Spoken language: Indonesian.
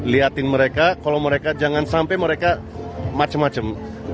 lihatin mereka kalau mereka jangan sampai mereka macem macem